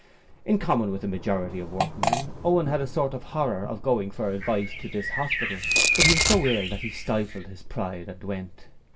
In common with the majority of workmen, Owen had a sort of horror of going for advice to this hospital, but he was so ill that he stifled his pride and went.